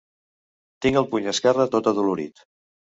Tinc el puny esquerre tot adolorit.